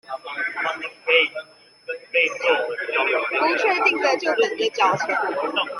不確定的就等著繳錢